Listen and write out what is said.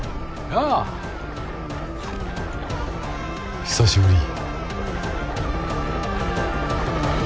やあ久しぶり。